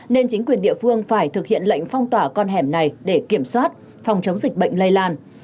nên chính quyền địa phương phải thực hiện lệnh phong tỏa con hẻm này để kiểm soát phòng chống dịch bệnh lây lan